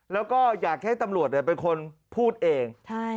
แล้วก็อยากให้ตำรวจเป็นคนพูดเอง